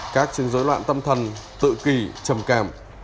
các chứng dối loạn tâm thần tự kỳ trầm cảm